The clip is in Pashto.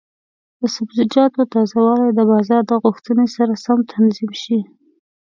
د سبزیجاتو تازه والی د بازار د غوښتنې سره سم تنظیم شي.